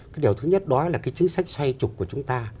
cái điều thứ nhất đó là cái chính sách xoay trục của chúng ta